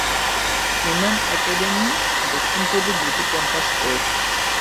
ইমান academy দক্ষিণপূর্বে দুটি campus রয়েছে।